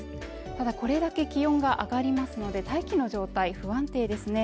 ただこれだけ気温が上がりますので大気の状態不安定ですね